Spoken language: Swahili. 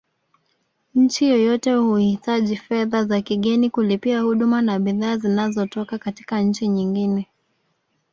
Nchi yoyote huhitaji fedha za kigeni kulipia huduma na bidhaa zinazotoka katika nchi nyingine